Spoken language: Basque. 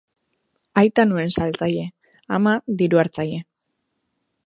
Aita nuen saltzaile, ama diru-hartzaile.